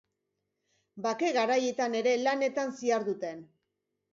Bake garaietan ere, lanetan ziharduten.